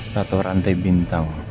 satu rantai bintang